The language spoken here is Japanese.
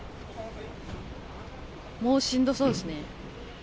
もうしんどそうですね。